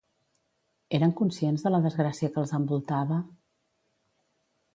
Eren conscients de la desgràcia que els envoltava?